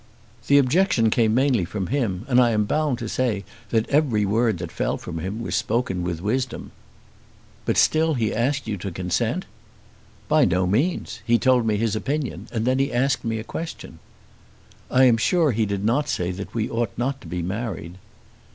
"The objection came mainly from him; and I am bound to say that every word that fell from him was spoken with wisdom." "But still he asked you to consent." "By no means. He told me his opinion, and then he asked me a question." "I am sure he did not say that we ought not to be married."